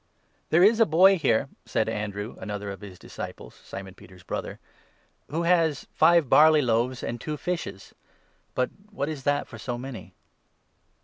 "" There is a boy here," said Andrew, another of his disciples, 8 Simon Peter's brother, "who has five barley loaves and two 9 fishes ; but what is that for so many